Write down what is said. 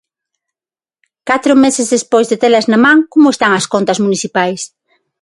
Catro meses despois de telas na man, como están as contas municipais?